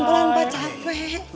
rambut lampa capek